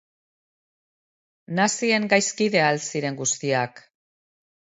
Nazien gaizkide al ziren guztiak?